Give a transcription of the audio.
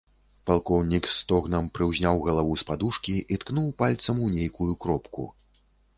Палкоўнік з стогнам прыўзняў галаву з падушкі і ткнуў пальцам у нейкую кропку.